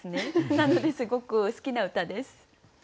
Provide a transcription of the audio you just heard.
なのですごく好きな歌です。